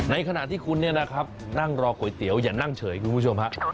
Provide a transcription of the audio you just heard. ขณะที่คุณเนี่ยนะครับนั่งรอก๋วยเตี๋ยวอย่านั่งเฉยคุณผู้ชมฮะ